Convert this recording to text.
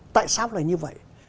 tại sao lại như vậy